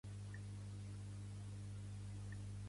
Grunyint el porc, en la porquera mor